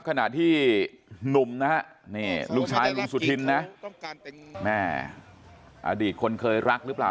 ขณะที่หนุ่มนะลูกชายลูกสุธินอดีตคนเคยรักหรือเปล่า